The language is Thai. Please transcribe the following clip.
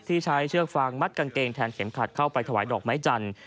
ใช้เชือกฟางมัดกางเกงแทนเข็มขัดเข้าไปถวายดอกไม้จันทร์